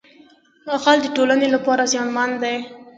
غل د ټولنې لپاره زیانمن دی